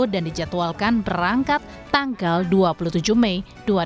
dan dijadwalkan berangkat tanggal dua puluh tujuh mei dua ribu dua puluh empat